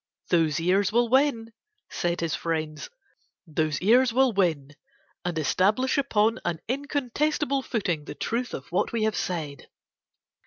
"Those ears will win," said his friends. "Those ears will win; and establish upon an incontestable footing the truth of what we have said."